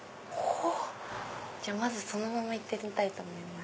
まずそのままいってみたいと思います。